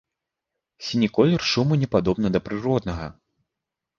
Сіні колер шуму не падобны да прыроднага.